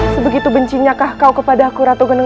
sebegitu bencinya kau kepada aku ratu geneng